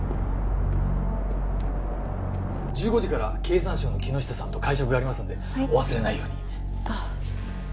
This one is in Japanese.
１５時から経産省の木下さんと会食がありますのでお忘れないように。